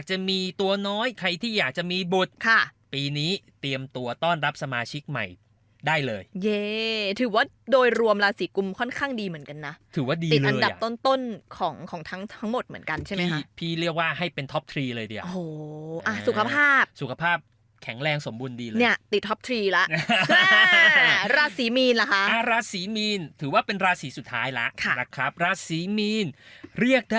แล้วจะมีโชคมีลามอยู่บ้างมั้ยคะ